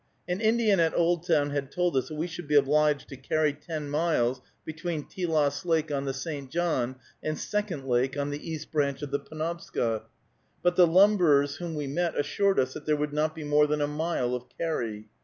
An Indian at Oldtown had told us that we should be obliged to carry ten miles between Telos Lake on the St. John and Second Lake on the East Branch of the Penobscot; but the lumberers whom we met assured us that there would not be more than a mile of carry.